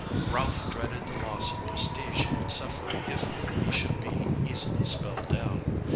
Ralph dreaded the loss of prestige he would suffer if he should be easily spelled down.